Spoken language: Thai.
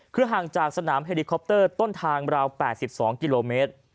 คือห่างจากสนามเฮลิคอปเตอร์ต้นทางราว๘๒กิโลเมตร